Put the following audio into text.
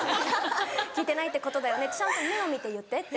「聞いてないってことだよねちゃんと目を見て言って」って。